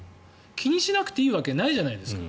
気にしなくていいわけないじゃないですか。